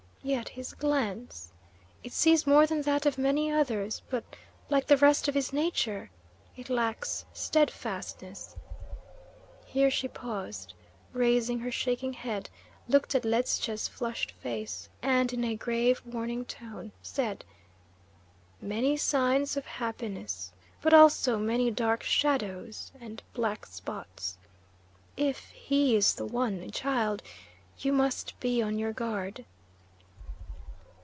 Yet his glance it sees more than that of many others, but, like the rest of his nature, it lacks steadfastness." Here she paused, raised her shaking head, looked at Ledscha's flushed face, and in a grave, warning tone, said: "Many signs of happiness, but also many dark shadows and black spots. If he is the one, child, you must be on your guard."